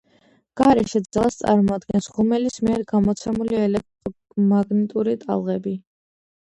გარეშე ძალას წარმოადგენს ღუმელის მიერ გამოცემული ელექტრომაგნიტური ტალღები.